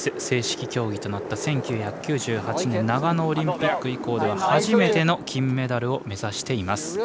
正式競技となった１９９８年長野オリンピック以降初めての金メダルを目指しています。